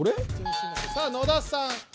さぁ野田さん。